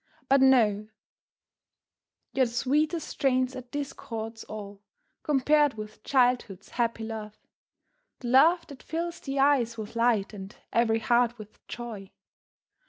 But know, your sweetest strains are discords all, compared with childhood's happy laugh the laugh that fills the eyes with light and every heart with joy.